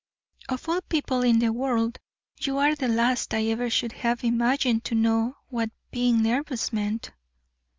"Of all people in the world, you are the last I ever should have imagined to know what being nervous meant."